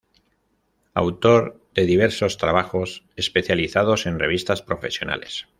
Autor de diversos trabajos especializados en revistas profesionales.